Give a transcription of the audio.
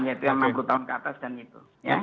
yaitu yang enam puluh tahun ke atas dan itu